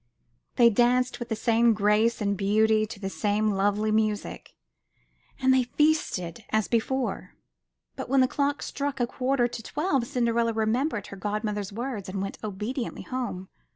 They danced with the same grace and beauty to the same lovely music. And they feasted 171 MY BOOK HOUSE as before. But when the clock struck a quarter to twelve Cinderella remembered her godmother's words and went obediently home.